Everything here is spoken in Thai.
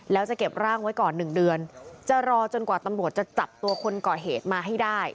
แล้วจะเก็บร่างไว้ก่อน๑เดือนจะรอจนกว่าตำรวจจะจับตัวคนก่อเหตุมาให้ได้